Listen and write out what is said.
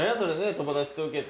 友達と受けて。